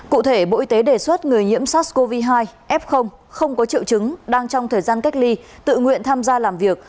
cụ thể bộ y tế đề xuất người nhiễm sars cov hai f không có triệu chứng đang trong thời gian cách ly tự nguyện tham gia làm việc